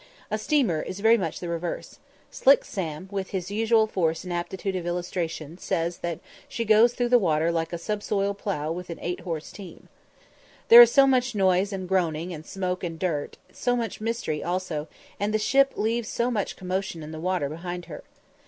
A steamer is very much the reverse. "Sam Slick," with his usual force and aptitude of illustration, says that "she goes through the water like a subsoil plough with an eight horse team." There is so much noise and groaning, and smoke and dirt, so much mystery also, and the ship leaves so much commotion in the water behind her.